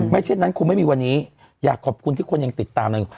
เช่นนั้นคงไม่มีวันนี้อยากขอบคุณที่คนยังติดตามเลย